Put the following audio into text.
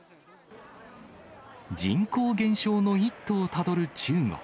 人口減少の一途をたどる中国。